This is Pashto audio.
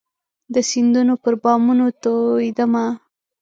د سیندونو پر بامونو توئيدمه